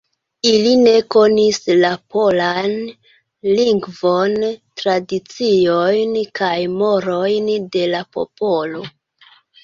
Ili ne konis la polan lingvon, tradiciojn kaj morojn de la popolo.